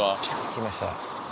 来ました。